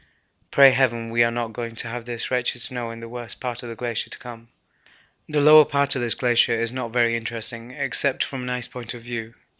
Pray heaven we are not going to have this wretched snow in the worst part of the glacier to come. The lower part of this glacier is not very interesting, except from an ice point of view.